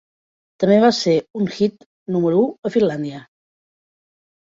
També va ser un hit número u a Finlàndia.